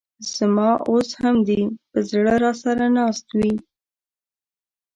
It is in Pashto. ز ما اوس هم دي په زړه راسره ناست وې